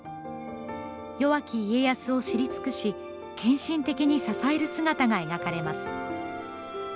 よわきいえやすを知り尽くし、献身的に支える姿が描かれます。